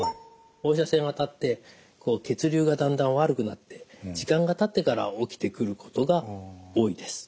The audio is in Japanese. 放射線当たって血流がだんだん悪くなって時間がたってから起きてくることが多いです。